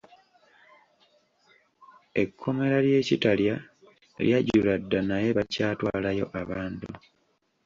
Ekkomera ly'e Kitalya lyajjula dda naye bakyatwalayo abantu.